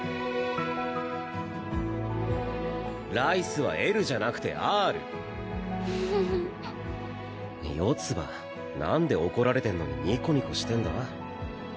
ライスは「Ｌ」じゃなくて「Ｒ」四葉何で怒られてんのにニコニコしてんだ？